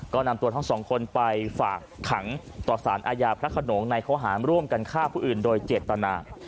ก็นำตัวทั้งสองคนไปฝากขังต่อสารอาญาพระขนงในข้อหารร่วมกันฆ่าผู้อื่นโดยเจตนา